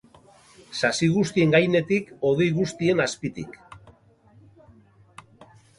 Sasi guztien gainetik, hodei guztien azpitik.